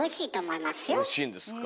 おいしいんですか。